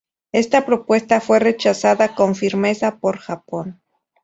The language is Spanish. Esta propuesta fue rechazada con firmeza por Japón.